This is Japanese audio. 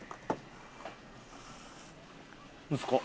息子。